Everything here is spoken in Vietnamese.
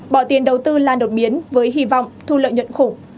bỏ tiền đầu tư lan đột biến với hy vọng thu lợi nhuận khủng